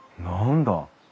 何だ？